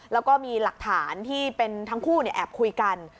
แล้วก็มีหลักฐานที่เป็นทั้งคู่แอบคุยกัน